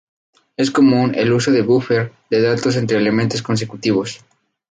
Es común el uso de búfer de datos entre elementos consecutivos.